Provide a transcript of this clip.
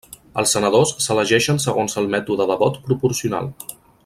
Els senadors s'elegeixen segons el mètode de vot proporcional.